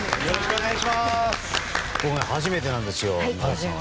僕、初めてなんですよ。